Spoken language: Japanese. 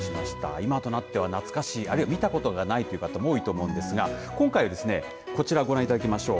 今となっては懐かしい、あるいは見たことない方も多いと思うんですが今回ですねこちら、ご覧いただきましょう。